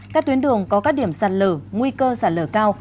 các tuyến đường có các điểm xả lửa nguy cơ xả lửa cao